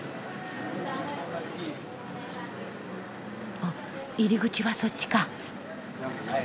あっ入り口はそっちか。